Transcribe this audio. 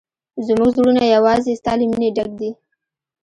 زموږ زړونه یوازې ستا له مینې ډک دي.